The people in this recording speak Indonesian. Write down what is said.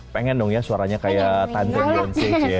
pengen dong ya suaranya kayak tante beyonce